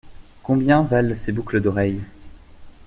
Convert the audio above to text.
Combien valent ces boucles d’oreille ?